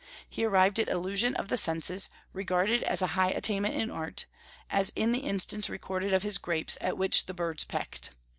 He arrived at illusion of the senses, regarded as a high attainment in art, as in the instance recorded of his grapes, at which the birds pecked.